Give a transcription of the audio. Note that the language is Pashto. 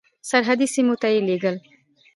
سرحدي سیمو ته یې لېږل.